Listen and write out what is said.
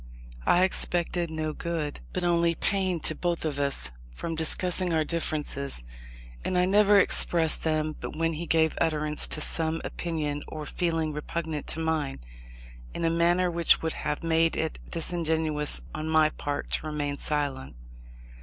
I expected no good, but only pain to both of us, from discussing our differences: and I never expressed them but when he gave utterance to some opinion or feeling repugnant to mine, in a manner which would have made it disingenuousness on my part to remain silent.